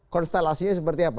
konstelasinya seperti apa